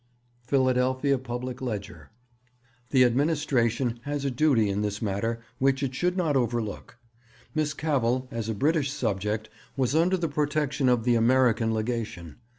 Philadelphia Public Ledger. 'The Administration has a duty in this matter which it should not overlook. Miss Cavell, as a British subject, was under the protection of the American Legation.